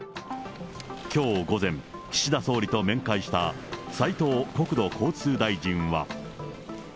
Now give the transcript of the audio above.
きょう午前、岸田総理と面会した斉藤国土交通大臣は。